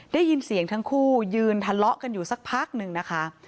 ได้ยินเสียงทั้งคู่ยืนทะเลาะกันอยู่สักพักหนึ่งนะคะ